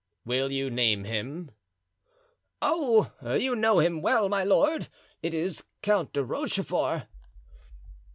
"Will you name him?" "Oh, you know him well, my lord—it is Count de Rochefort."